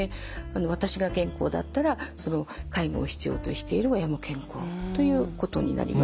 私が健康だったら介護を必要としている親も健康ということになります。